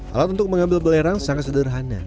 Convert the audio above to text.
alat untuk mengambil belerang sangat sederhana